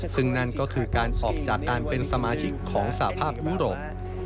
ซึ่งนั่นก็คือการสอบจากการเป็นสมาชิกของสภาพยุโรป